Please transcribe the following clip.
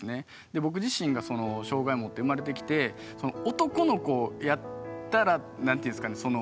で僕自身がその障害を持って生まれてきて男の子やったら何て言うんですかね